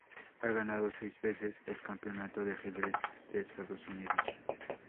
Ha ganado seis veces el Campeonato de ajedrez de Estados Unidos.